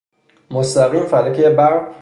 مستقیم فلکهٔ برق؟